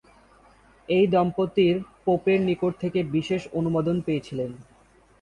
এই দম্পতির পোপের নিকট থেকে বিশেষ অনুমোদন পেয়েছিলেন।